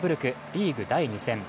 リーグ第２戦。